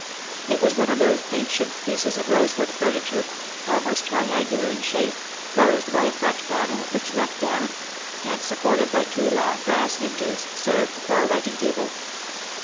It was one of those ancient pieces of rosewood furniture, almost triangular in shape, closed by a front panel, which let down, and, supported by two long brass hinges, served for a writing table.